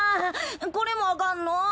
これもあかんの？